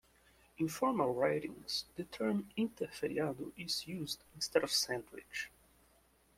In formal writings, the term "interferiado" is used instead of "sandwich".